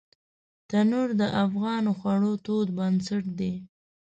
تنور د افغانو خوړو تود بنسټ دی